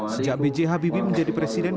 sejak bj habibi menjadi presiden